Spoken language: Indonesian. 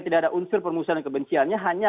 tidak ada unsur permusuhan dan kebenciannya hanya